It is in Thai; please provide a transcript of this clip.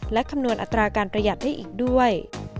และคำนวณอัตราการประหยัดได้อีกด้วย